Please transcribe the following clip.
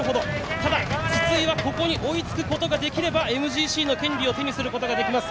ただ、筒井はここに追いつくことができればＭＧＣの権利を手にすることができます。